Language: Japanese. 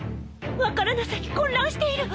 分からなさに混乱しているわ！